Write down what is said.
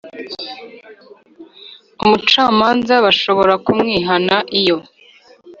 Umucamanza bashobora kumwihana iyo